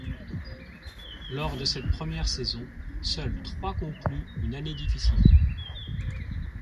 Lors de cette première saison, seules trois concluent une année difficile.